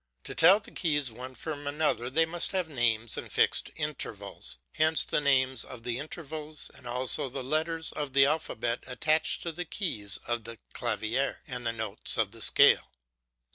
To tell the keys one from another they must have names and fixed intervals; hence the names of the intervals, and also the letters of the alphabet attached to the keys of the clavier and the notes of the scale.